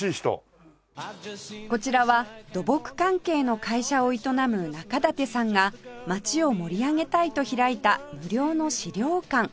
こちらは土木関係の会社を営む中舘さんが街を盛り上げたいと開いた無料の資料館